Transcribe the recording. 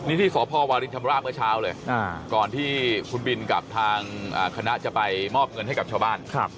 นี่ที่สพวารินชำราบเมื่อเช้าเลยก่อนที่คุณบินกับทางคณะจะไปมอบเงินให้กับชาวบ้าน